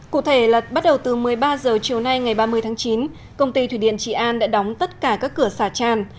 cụ thể là bắt đầu từ một mươi ba h chiều nay ngày ba mươi tháng chín công ty thủy điện trị an đã đóng tất cả các cửa xả tràn